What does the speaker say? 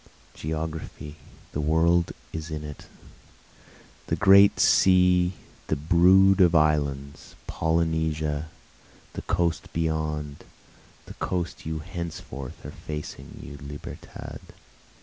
Geography, the world, is in it, The Great Sea, the brood of islands, Polynesia, the coast beyond, The coast you henceforth are facing you Libertad!